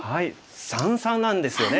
三々なんですよね。